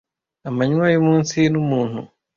Amanywa yumunsi numuntu,